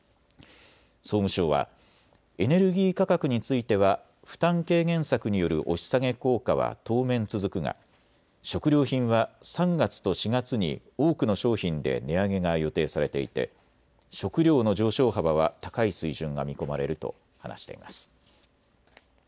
総務省はエネルギー価格については負担軽減策による押し下げ効果は当面続くが食料品は３月と４月に多くの商品で値上げが予定されていて食料の上昇幅は高い水準が見込まれると話しています。